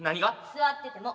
座ってても。